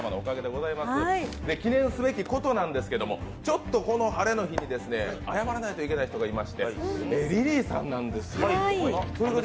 記念すべきことなんですけれども、この晴れの日に謝らないといけない人がいまして、リリーさんなんです。